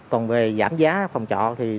còn về giảm giá phòng trọ thì